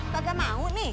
kagak mau nih